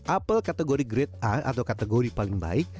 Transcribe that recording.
apel kategori grade a atau kategori paling baik